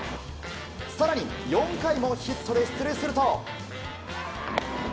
更に、４回もヒットで出塁すると。